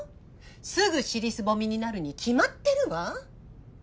すぐ尻すぼみになるに決まってるわ。